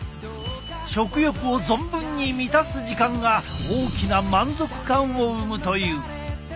食欲を存分に満たす時間が大きな満足感を生むという。